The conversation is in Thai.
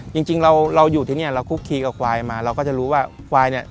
จริงเราอยู่ที่นี่เราคุกคีกับควายมาเราก็จะรู้ว่าควายเนี่ย